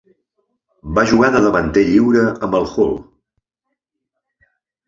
Va jugar de davanter lliure amb el Hull.